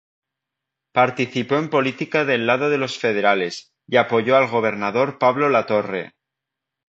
Participó en política del lado de los federales, y apoyó al gobernador Pablo Latorre.